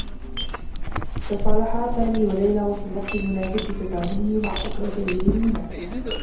تصالحا سامي و ليلى في الوقت المناسب بتزامنه مع فترة عيد الميلاد.